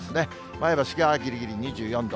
前橋がぎりぎり２４度。